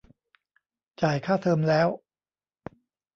จ่ายค่าเทอมแล้ว